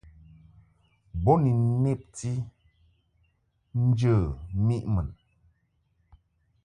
Bo ni nnebti njə miʼ mun.